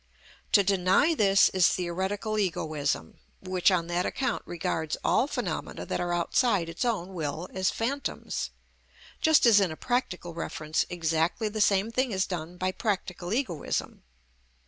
To deny this is theoretical egoism, which on that account regards all phenomena that are outside its own will as phantoms, just as in a practical reference exactly the same thing is done by practical egoism.